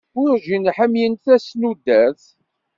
Werǧin ḥemmlent tasnudert.